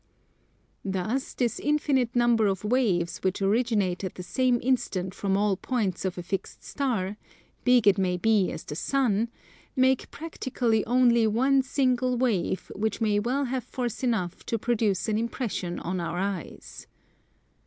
Thus this infinite number of waves which originate at the same instant from all points of a fixed star, big it may be as the Sun, make practically only one single wave which may well have force enough to produce an impression on our eyes.